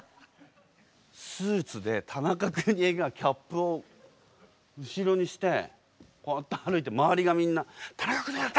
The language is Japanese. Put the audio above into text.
スーツで田中邦衛がキャップを後ろにしてこうやって歩いて周りがみんな「田中邦衛だ！